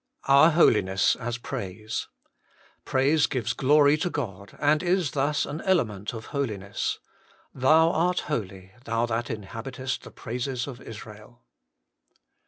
2. Our Holiness as Praise. Praise gives glory to God, and is thus an element of holiness. 'Thou art holy, Thou that inhabitest the praises of Israel.'